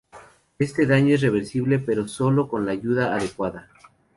Este daño es reversible, pero sólo con la ayuda adecuada.